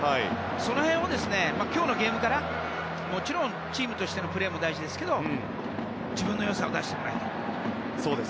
それを今日のゲームからもちろんチームとしてのプレーも大事ですけど自分の良さを出してもらいたい。